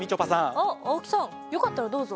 あっ青木さんよかったらどうぞ。